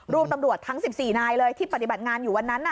ตำรวจทั้ง๑๔นายเลยที่ปฏิบัติงานอยู่วันนั้น